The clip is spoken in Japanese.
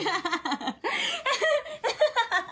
ハハハハハ！